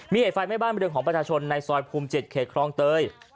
มีเหตุไฟไหม้บ้านบริเวณของประชาชนในซอยภูมิ๗เขตคลองเตย